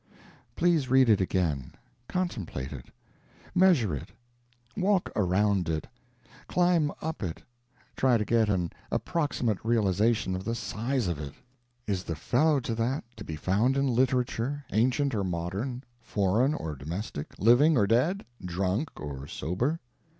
Please read it again; contemplate it; measure it; walk around it; climb up it; try to get at an approximate realization of the size of it. Is the fellow to that to be found in literature, ancient or modern, foreign or domestic, living or dead, drunk or sober?